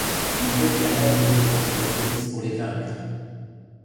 Il devient l'allié des forces de police pour les vaincre.